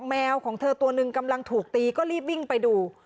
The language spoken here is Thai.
แมวของเธอตัวหนึ่งกำลังถูกตีก็รีบวิ่งไปดู